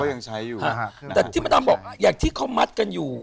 ยังใช้อยู่แต่ที่มาดำบอกอย่างที่เขามัดกันอยู่